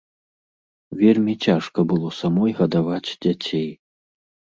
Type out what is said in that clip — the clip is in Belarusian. Вельмі цяжка было самой гадаваць дзяцей.